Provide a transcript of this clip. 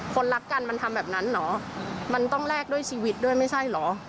คนรักกันมันทำแบบนั้นเหรอมันต้องแลกด้วยชีวิตด้วยไม่ใช่เหรอ